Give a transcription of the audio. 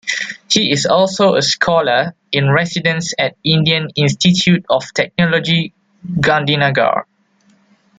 He is also a scholar in residence at Indian Institute of Technology Gandhinagar.